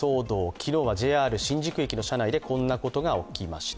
昨日はＪＲ新宿駅の車内でこんなことが起きました。